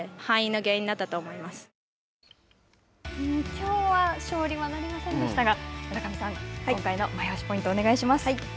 きょうは勝利はなりませんでしたが、村上さん、今回のマイオシポイントお願いします。